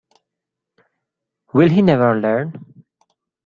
Will he never learn?